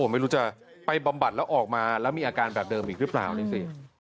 ไม่รู้จะไปบำบัดแล้วออกมาแล้วมีอาการแบบเดิมอีกหรือเปล่านี่สิ